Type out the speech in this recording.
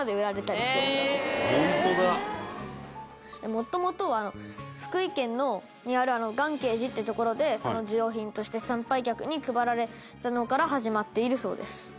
もともとは福井県にある願慶寺っていう所で授与品として参拝客に配られてたのから始まっているそうです。